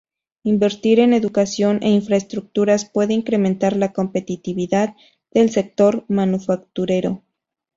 Invertir en educación e infraestructuras puede incrementar la competitividad del sector manufacturero.